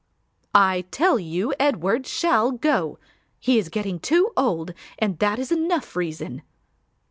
"I tell you Edward shall go; he is getting too old and that is enough reason."